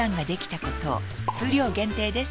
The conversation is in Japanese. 数量限定です